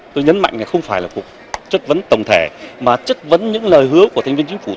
tôi nhấn mạnh là không phải là cuộc chất vấn tổng thể mà chất vấn những lời hứa của thành viên chính phủ